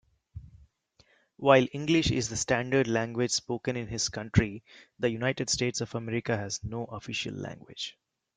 While English is the standard language spoken in his country, the United States of America has no official language.